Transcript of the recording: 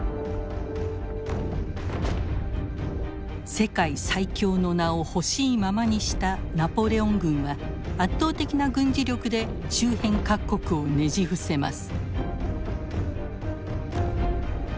世界最強の名を欲しいままにしたナポレオン軍は圧倒的な軍事力で周辺各国をねじ伏せます。